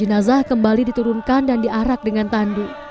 jenazah kembali diturunkan dan diarak dengan tandu